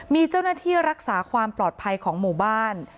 มีเจ้าหน้าที่รักษาความปลอดภัยของหมู่บ้าน